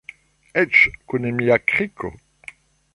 Eĉ kun mia kriko.